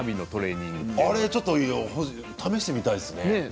ちょっと試してみたいですね。